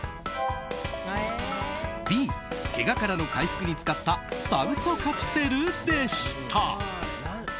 Ｂ、けがからの回復に使った酸素カプセルでした。